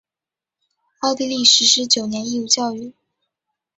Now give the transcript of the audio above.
奥地利实施九年义务教育。